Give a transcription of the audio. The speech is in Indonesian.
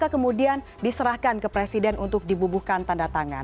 kemudian diserahkan ke presiden untuk dibubuhkan tanda tangan